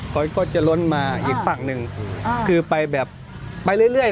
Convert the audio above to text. ฝนก็จะล้นมาอีกฝั่งหนึ่งคือไปแบบไปเรื่อย